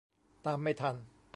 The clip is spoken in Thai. ตามไม่ทัน